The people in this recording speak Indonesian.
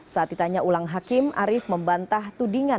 saat ditanya ulang hakim arief membantah tudingan